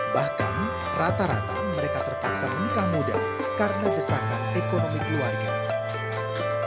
bahkan rata rata mereka terpaksa menikah muda karena desakan ekonomi keluarga